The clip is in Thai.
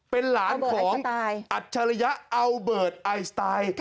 เป็นหลานของอัจฉริยะอัลเบิร์ตไอสไตล์